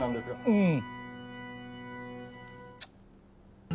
うん。